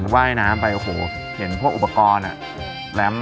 ขาไปเหยียบดูขาเป็นแผล